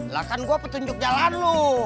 lah kan gua petunjuk jalan lu